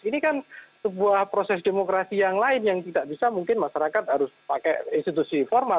ini kan sebuah proses demokrasi yang lain yang tidak bisa mungkin masyarakat harus pakai institusi formal